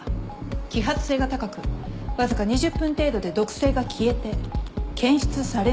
揮発性が高くわずか２０分程度で毒性が消えて検出されない毒です。